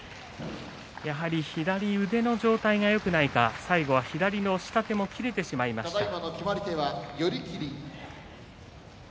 やはり左腕の状態がよくないか最後は左の下手も切れてしまいました。